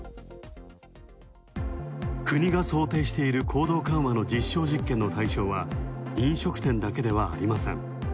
国が想定している行動緩和の実証実験の対象は飲食店だけではありません。